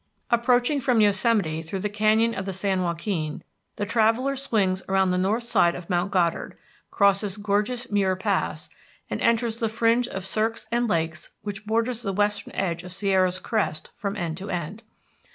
Approaching from Yosemite through the canyon of the San Joaquin, the traveller swings around the north side of Mount Goddard, crosses gorgeous Muir Pass, and enters the fringe of cirques and lakes which borders the western edge of Sierra's crest from end to end.